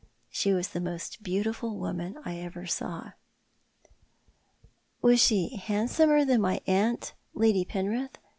She was tlie most beautiful woman I ever saw." " Was she handsomer than my aunt, Lady Penrith